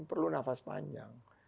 perlu napas panjang